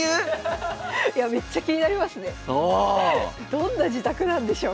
どんな自宅なんでしょうか。